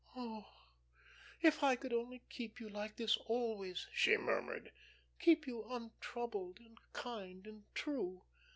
"Oh, if I could only keep you like this always," she murmured. "Keep you untroubled, and kind, and true.